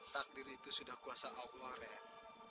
takdir itu sudah kuasa allah rehat